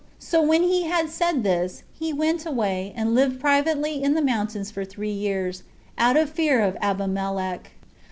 So when he had said this, he went away, and lived privately in the mountains for three years, out of fear of Abimelech.